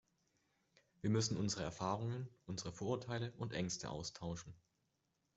Wir müssen unsere Erfahrungen, unsere Vorurteile und Ängste austauschen.